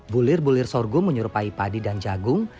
bulir bulir sorghum menyerupai padi dan jagung